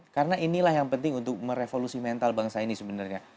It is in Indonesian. karena inilah yang penting untuk merevolusi mental bangsa ini sebenarnya